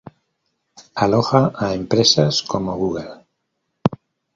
Aloja a empresas como Google.